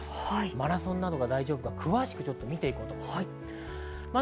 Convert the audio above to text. マラソンなどが大丈夫か詳しくみていきます。